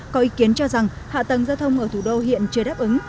có ý kiến cho rằng hạ tầng giao thông ở thủ đô hiện chưa đáp ứng